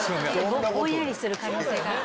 ぼんやりする可能性が。